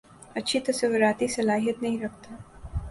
اچھی تصوارتی صلاحیت نہیں رکھتا